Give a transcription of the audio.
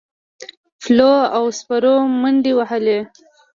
پلو او سپرو منډې وهلې.